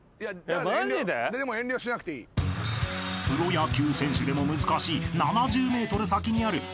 ［プロ野球選手でも難しい］